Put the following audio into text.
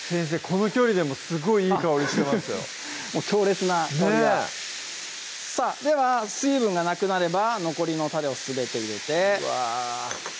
この距離でもすごいいい香りしてますよもう強烈な香りがねぇでは水分がなくなれば残りのたれをすべて入れてうわ